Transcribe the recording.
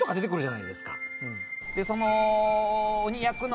でその。